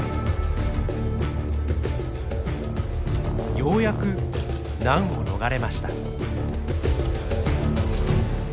ようやく難を逃れました。